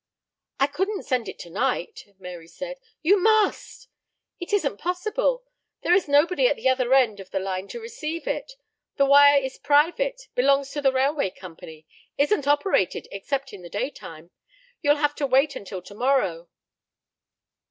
"I couldn't send it to night," Mary said. "You must." "It isn't possible. There is nobody at the other end of the line to receive it. The wire is private belongs to the railroad company isn't operated except in the daytime. You'll have to wait until to morrow."